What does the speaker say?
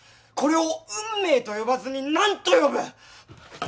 これを運命と呼ばずに何と呼ぶ？